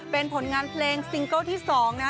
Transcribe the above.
เป็นผลงานเพลงซิงเกิลที่๒นะฮะ